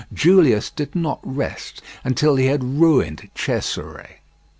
Julius did not rest until he had ruined Cesare.